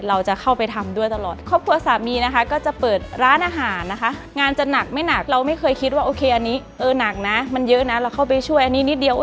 เออหนักนะมันเยอะนะเราเข้าไปช่วยอันนี้นิดเดียว